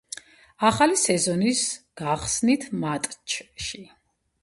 ახალი სეზონის გახსნით მატჩში.